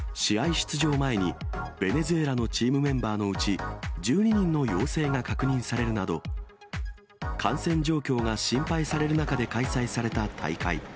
出場前に、ベネズエラのチームメンバーのうち、１２人の陽性が確認されるなど、感染状況が心配される中で開催された大会。